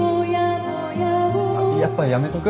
やっぱやめとく？